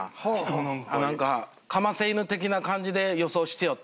なんか噛ませ犬的な感じで予想してよったんで。